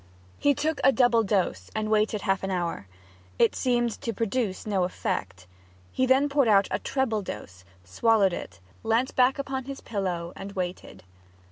He took a double dose, and waited half an hour. It seemed to produce no effect. He then poured out a treble dose, swallowed it, leant back upon his pillow, and waited.